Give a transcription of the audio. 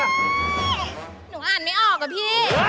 หนูอ่านไม่ออกอะพี่